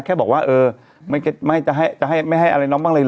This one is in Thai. แค่บอกว่าเออไม่ให้อะไรน้องบ้างเลยเห